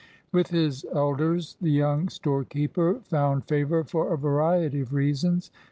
1 With his elders the young storekeeper found favor for a variety of reasons.